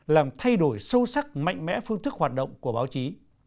làm thay đổi sâu sắc mạnh mẽ phương thức hoạt động của báo chí